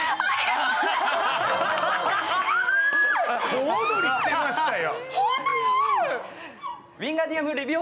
小躍りしてましたよ。